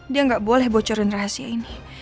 dia nggak boleh bocorin rahasia ini